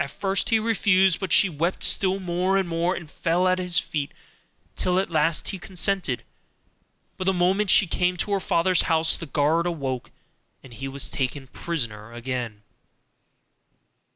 At first he refused, but she wept still more and more, and fell at his feet, till at last he consented; but the moment she came to her father's house the guards awoke and he was taken prisoner again.